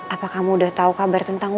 apa kamu udah tau kabar tentang